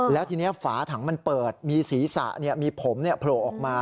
แล้วทีนี้ฝาถังมันเปิดมีศีรษะมีผมโผล่ออกมา